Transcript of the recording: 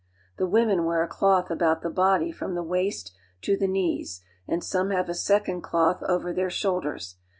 Thewomen wear a cloth about the body from the waist to the knees, and some have a second cloth over their shoulders.